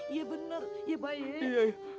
iya bener iya baik